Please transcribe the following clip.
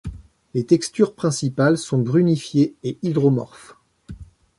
Les textures principales sont brunifiées et hydromorphes.